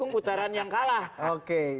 putaran yang kalah oke